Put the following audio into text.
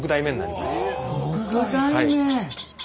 ６代目！